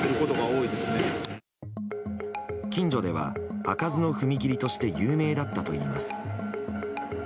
近所では開かずの踏切として有名だったといいます。